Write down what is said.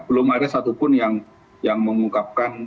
belum ada satupun yang mengungkapkan